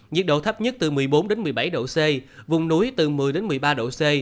nhiệt độ thấp nhất từ một mươi bốn một mươi bảy độ c vùng núi từ một mươi một mươi ba độ c